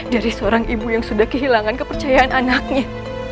dari seorang ibu yang sudah kehilangan kepercayaan anaknya